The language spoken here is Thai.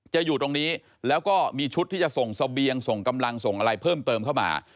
อยู่ตรงนี้แล้วก็มีชุดที่จะส่งเสบียงส่งกำลังส่งอะไรเพิ่มเติมเข้ามา